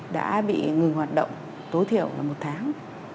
đã bị ngừng hoạt động tối thiểu một tháng